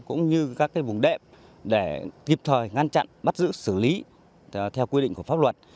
cũng như các vùng đệm để kịp thời ngăn chặn bắt giữ xử lý theo quy định của pháp luật